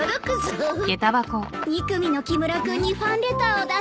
２組の木村君にファンレターを出したの。